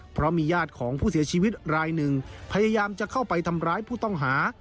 เพราะมีญาติของผู้เสียชีวิตรายหนึ่งพยายามจะเข้าไปทำร้ายผู้ต้องหา